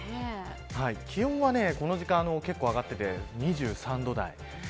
気温は、この時間結構上がっていて２３度台。